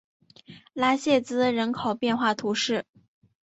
拉谢兹人口变化图示